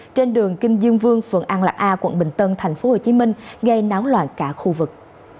trên đường kinh dương vương phường an lạc a quận bình tân tp hcm gây náo loạn cả khu vực